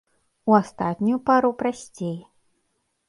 У астатнюю пару прасцей.